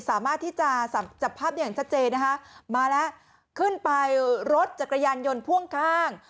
สามารถที่จะจับภาพได้อย่างชัดเจนนะคะมาแล้วขึ้นไปรถจักรยานยนต์พ่วงข้าง